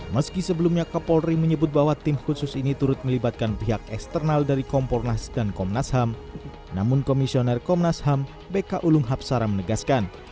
meski sebelumnya kapolri menyebut bahwa tim khusus ini turut melibatkan pihak eksternal dari kompornas dan komnas ham namun komisioner komnas ham bk ulung hapsara menegaskan